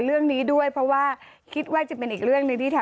เนี่ยกัญจิไง